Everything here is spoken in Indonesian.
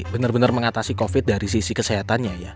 bener bener mengatasi covid dari sisi kesehatannya ya